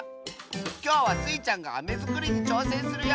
きょうはスイちゃんがアメづくりにちょうせんするよ！